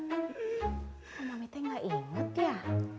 kok mami teh gak inget ya